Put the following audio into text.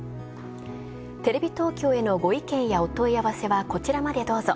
テレビ東京へのご意見やお問い合わせはこちらまでどうぞ。